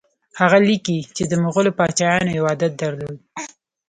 هغه لیکي چې د مغولو پاچایانو یو عادت درلود.